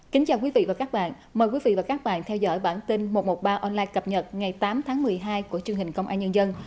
chào mừng quý vị đến với bản tin một trăm một mươi ba online cập nhật ngày tám tháng một mươi hai của chương hình công an nhân dân